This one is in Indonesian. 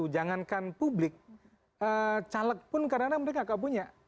jangankan publik caleg pun kadang kadang mereka gak punya